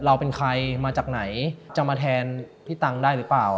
เราเป็นใครมาจากไหนจะมาแทนพี่ตังค์ได้หรือเปล่า